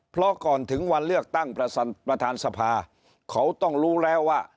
เพราะก่อนถึงวันเลือกตั้งประธานสภาเขาต้องรู้แล้วว่า